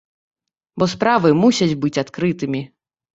Бо справы мусяць быць адкрытымі.